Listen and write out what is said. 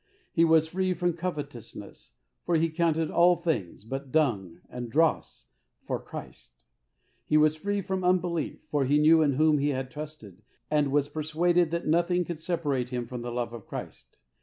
He was free from covet ousness, for he counted all things but dung and dross for Christ. He was free from unbelief, for he knew in whom he had trusted, and was persuaded that nothing could separate him from the love of Christ.